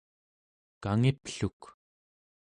kangipluk